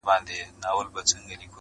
زما پر سهادت ملا ده دا فتواء ورکړې~